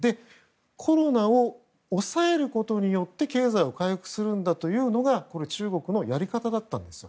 コロナを抑えることによって経済を回復するんだというのが中国のやり方だったんですよ。